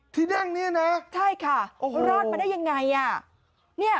ที่นั่งนี้นะใช่ค่ะรอดมาได้ยังไงอ่ะ